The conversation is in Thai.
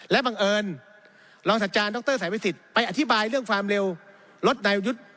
และบังเอิญรองศาสตราจารย์ดรสายวิสิทธิ์ไปอธิบายเรื่องความเร็วรถนายประยุทธ์